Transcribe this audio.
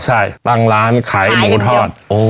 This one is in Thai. ใช่ตั้งร้านขายหมูทอด